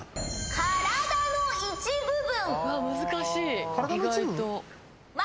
体の一部分。